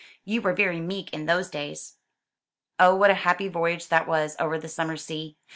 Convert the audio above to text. You were very meek in those days." Oh, what a happy voyage that was, over the summer sea!